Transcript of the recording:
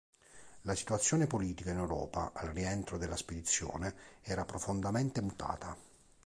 La situazione politica in Europa al rientro della spedizione era profondamente mutata.